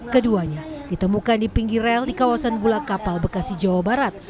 keduanya ditemukan di pinggir rel di kawasan bulak kapal bekasi jawa barat